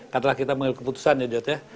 katalah kita mengingat keputusan ya jody